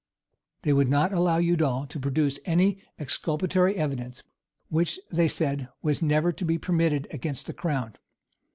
They would not allow Udal to produce any exculpatory evidence; which, they said, was never to be permitted against the crown.